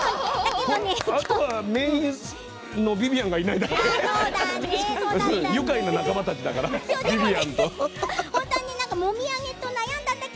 あとは、ビビアンがいないだけ。